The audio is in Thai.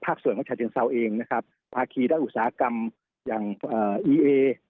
ภาคส่วนของชาเซ็นเซาน่าเองนะครับภาคีและอุตสาหกรรมอย่างอ่า